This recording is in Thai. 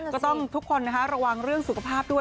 ก็ต้องทุกคนนะคะระวังเรื่องสุขภาพด้วย